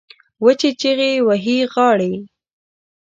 وچې چیغې وهي غاړې